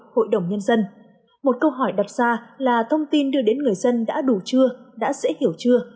hội đồng nhân dân một câu hỏi đặt ra là thông tin đưa đến người dân đã đủ chưa đã dễ hiểu chưa